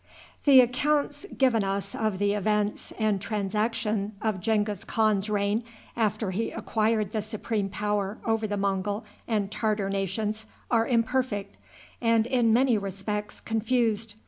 The accounts given us of the events and transactions of Genghis Khan's reign after he acquired the supreme power over the Mongul and Tartar nations are imperfect, and, in many respects, confused.